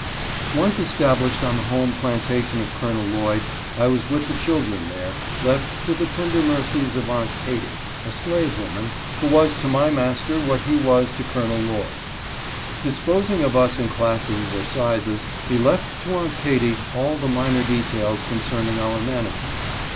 ONCE established on the home plantation of Col. Lloyd — I was with the children there, left to the tender mercies of Aunt Katy, a slave woman, who was to my master what he was to Col. Lloyd. Disposing of us in classes or sizes, he left to Aunt Katy all the minor details concerning our management.